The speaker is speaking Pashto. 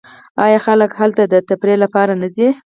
آیا خلک هلته د تفریح لپاره نه ځي؟